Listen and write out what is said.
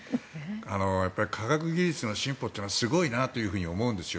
科学技術の進歩ってすごいなと思うんですよ。